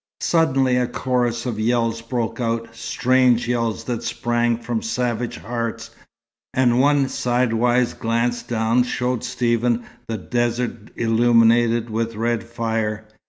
Suddenly a chorus of yells broke out, strange yells that sprang from savage hearts; and one sidewise glance down showed Stephen the desert illuminated with red fire.